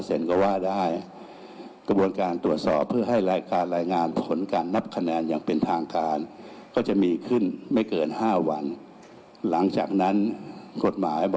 เอาฟังเสียงประธานกรกตหน่อยครับ